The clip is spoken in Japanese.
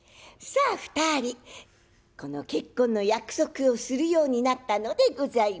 さあ２人この結婚の約束をするようになったのでございます。